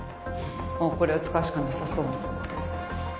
もうこれを使うしかなさそうね